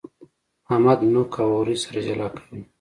احمد نوک او اورۍ سره جلا کوي.